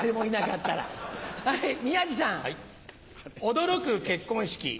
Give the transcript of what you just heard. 驚く結婚式。